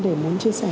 để muốn chia sẻ